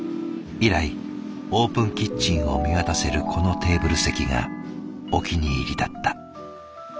以来オープンキッチンを見渡せるこのテーブル席がお気に入りだった。